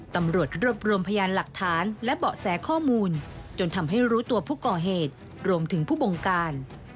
ตำรวจรวบรวมพยานหลักฐานและเบาะแสข้อมูลจนทำให้รู้ตัวผู้ก่อเหตุรวมถึงผู้บงการ